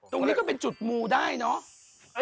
ตรงนี้ก็เป็นจุดมูได้เนอะ